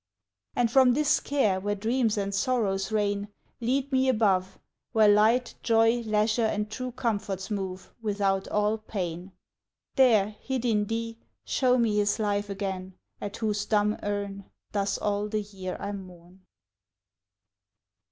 And from this care, where dreams and sorrows reign, Lead me above, Where light, joy, leisure, and true comforts move Without all pain: There, hid in thee, show me his life again At whose dumb urn Thus all the year I mourn.